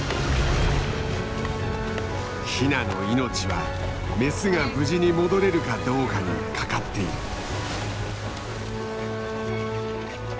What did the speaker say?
ヒナの命はメスが無事に戻れるかどうかにかかっている。